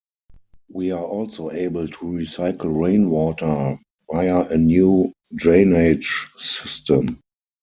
We are also able to recycle rain water via a new drainage system.